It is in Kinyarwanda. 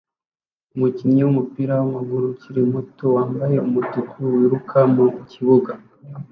Umukinnyi wumupira wamaguru ukiri muto wambaye umutuku wiruka mu kibuga